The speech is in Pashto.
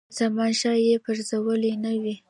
زمانشاه یې پرزولی نه وي.